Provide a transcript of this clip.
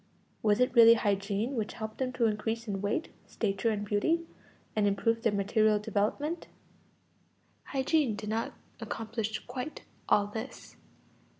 Was it really hygiene which helped them to increase in weight, stature, and beauty, and improved their material development? Hygiene did not accomplish quite all this.